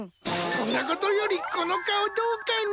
そんなことよりこの顔どうかな？